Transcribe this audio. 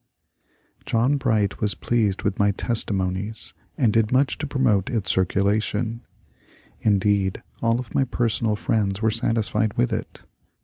John Bright was pleased with my *' Testimonies " and did much to promote its circulation ; indeed, all of my personal friends were satisfied with it.